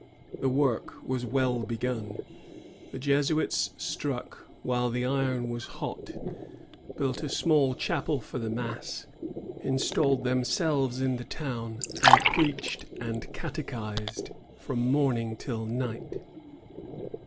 The work was well begim. The Jesuits struck while the iron was hot; built a small chapel for the mass, installed themselves in the town, and preached and catechised from morning till night.